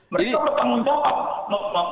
mereka bertanggung jawab melatih itu